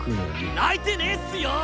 泣いてねぇっスよ！